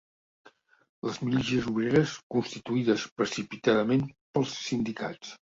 Les milícies obreres, constituïdes precipitadament pels sindicats